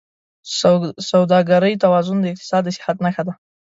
د سوداګرۍ توازن د اقتصاد د صحت نښه ده.